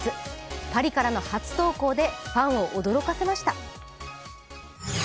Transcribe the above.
パリからの初投稿でファンを驚かせました。